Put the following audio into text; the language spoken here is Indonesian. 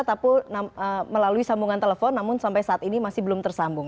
tapi melalui sambungan telepon namun sampai saat ini masih belum tersambung